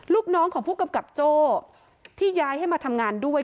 ลูกน้องของผู้กำกับโจ้ที่ย้ายให้มาทำงานด้วย